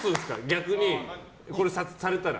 逆にこれされたら。